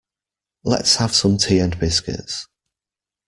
Let's have some tea and biscuits.